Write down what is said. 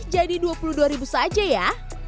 jadi rp dua puluh dua saja ya